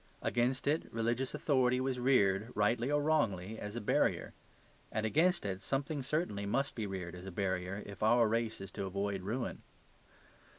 Against it religious authority was reared, rightly or wrongly, as a barrier. And against it something certainly must be reared as a barrier, if our race is to avoid ruin.